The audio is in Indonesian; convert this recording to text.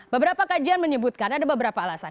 beberapa kajian menyebutkan ada beberapa alasan